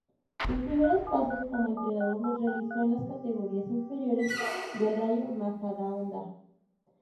Sus primeros pasos como entrenador los realizó en las categorías inferiores del Rayo Majadahonda.